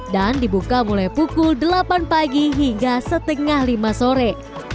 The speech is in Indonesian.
dan dibuka mulai pukul delapan pagi hingga setengah lima sore